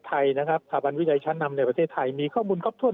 ไทยนะครับสถาบันวิจัยชั้นนำในประเทศไทยมีข้อมูลครบถ้วน